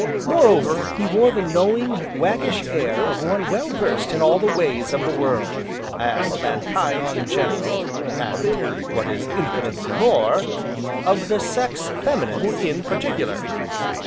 Moreover he wore the knowing, waggish air of one well versed in all the ways of the world, and mankind in general, and, (what is infinitely more), of the Sex Feminine, in particular.